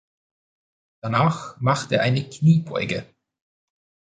Danach macht er eine Kniebeuge.